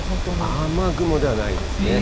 雨雲ではないですね。